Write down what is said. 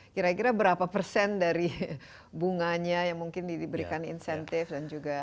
kira kira berapa persen dari bunganya yang mungkin diberikan insentif dan juga